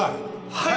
はい！